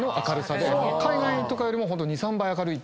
海外とかよりも２３倍明るい。